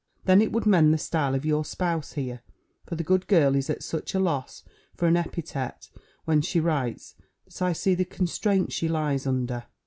Then it would mend the style of your spouse here; for the good girl is at such a loss for an epithet when she writes, that I see the constraint she lies under.